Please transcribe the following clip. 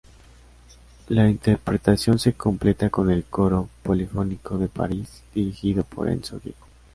La interpretación se completa con el Coro Polifónico de París dirigido por Enzo Gieco.